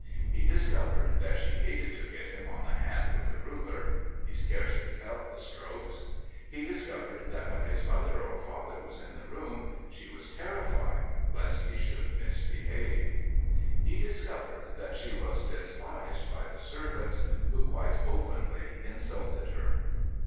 He discovered that she hated to hit him on the hand with a ruler (he scarcely felt the strokes). He discovered that when his mother or father was in the room she was terrified lest he should misbehave. He discovered that she was despised by the servants, who quite openly insulted her.